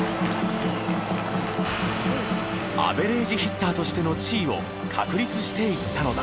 アベレージヒッターとしての地位を確立していったのだ。